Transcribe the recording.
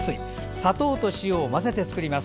砂糖と塩を混ぜて作ります。